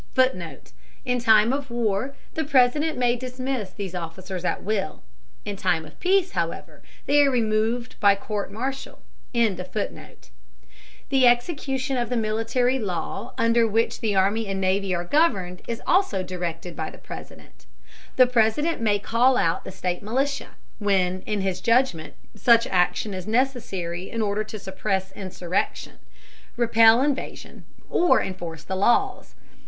[Footnote: In time of war, the President may dismiss these officers at will; in time of peace, however, they are removed by court martial.] The execution of the military law under which the army and navy are governed is also directed by the President. The President may call out the state militia, when in his judgment such action is necessary in order to suppress insurrection, repel invasion, or enforce the laws.